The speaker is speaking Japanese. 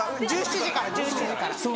１７時から１７時から。